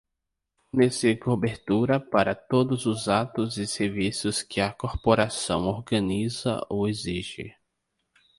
Fornecer cobertura para todos os atos e serviços que a corporação organiza ou exige.